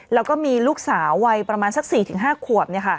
แล้วก็มีลูกสาววัยประมาณสัก๔๕ขวบ